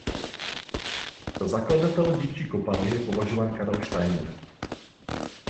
Za zakladatele dívčí kopané je považován Karel Steiner.